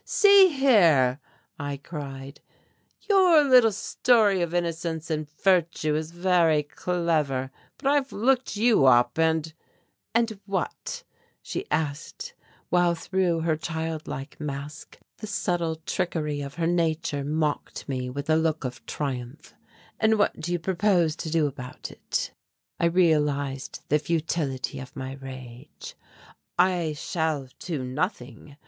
"See here," I cried, "your little story of innocence and virtue is very clever, but I've looked you up and " "And what ," she asked, while through her child like mask the subtle trickery of her nature mocked me with a look of triumph "and what do you propose to do about it?" I realized the futility of my rage. "I shall do nothing.